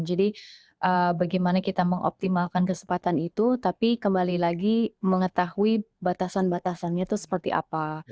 jadi bagaimana kita mengoptimalkan kesempatan itu tapi kembali lagi mengetahui batasan batasannya tuh seperti apa